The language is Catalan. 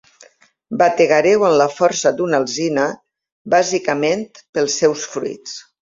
Bategareu amb la força d'una alzina, bàsicament pels seus fruits.